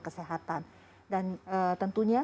kesehatan dan tentunya